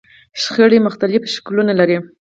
شخړې مختلف شکلونه لري.